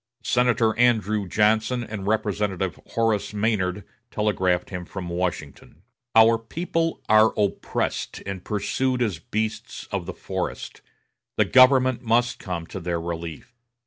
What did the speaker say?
Senator Andrew Johnson and Representative Horace Maynard telegraphed him from Washington: "Our people are oppressed and pursued as beasts of the forest; the government must come to their relief."